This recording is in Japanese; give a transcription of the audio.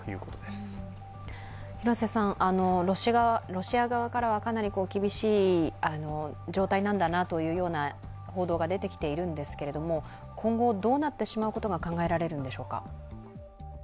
ロシア側からはかなり厳しい状態なんだなという報道が出てきているんですけれども、今後どうなってしまうことが考えられるんでしょうか。